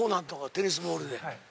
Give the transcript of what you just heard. テニスボールで。